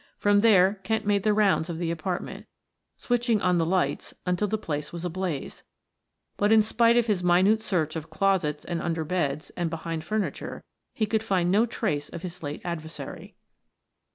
From there Kent made the rounds of the apartment, switching on the light until the place was ablaze, but in spite of his minute search of closets and under beds and behind furniture he could find no trace of his late adversary.